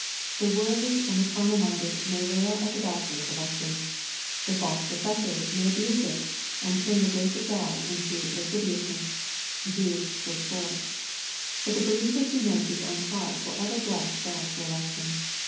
The worldly and the carnal minded may rail at the doctrine of election. The false professor may abuse it, and turn the*'grace of God into lasciviousness." (Jude4.) But the believe^r who knows bis own heart will ever bless God for election.